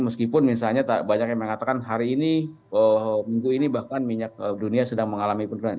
meskipun misalnya banyak yang mengatakan hari ini minggu ini bahkan minyak dunia sedang mengalami penurunan